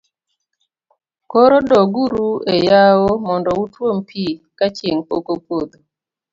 koro dog uru e yawo mondo utuom pi ka chieng' pok opodho